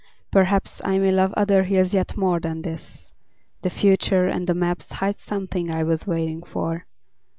Perhaps I may love other hills yet more Than this: the future and the maps Hide something I was waiting for.